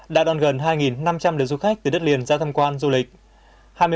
đã đoàn gần hai năm trăm linh đứa du khách từ đất liền ra tham quan du lịch